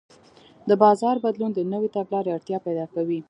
د بازار بدلون د نوې تګلارې اړتیا پیدا کوي.